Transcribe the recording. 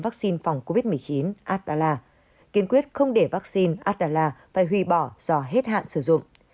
vắc xin phòng covid một mươi chín adela kiên quyết không để vắc xin adela phải hủy bỏ do hết hạn sử dụng